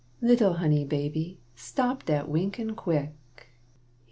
Little honey baby, stop dat winkin' quick!